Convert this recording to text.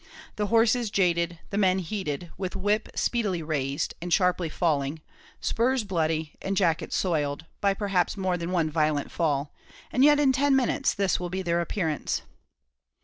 The horses jaded, the men heated, with whip speedily raised, and sharply falling spurs bloody and jackets soiled, by perhaps more than one violent fall; and yet in ten minutes this will be their appearance.